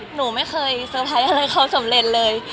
หนูไม่เคยเซอร์ไพรส์อะไรเขาสำเร็จเลย